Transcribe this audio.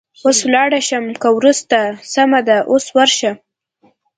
اوس ولاړه شم که وروسته؟ سمه ده، اوس ورشه.